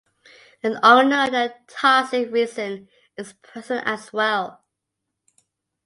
An unknown and toxic resin is present as well.